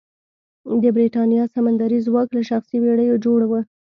د برېتانیا سمندري ځواک له شخصي بېړیو جوړه وه.